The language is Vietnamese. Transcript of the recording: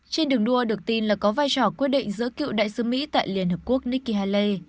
trên đường đua được tin là có vai trò quyết định giữa cựu đại sứ mỹ tại liên hợp quốc nikki haley